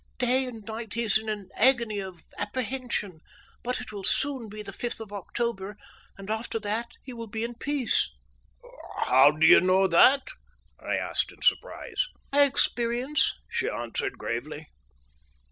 Day and night he is in an agony of apprehension, but it will soon be the fifth of October, and after that he will be at peace." "How do you know that?" I asked in surprise. "By experience," she answered gravely.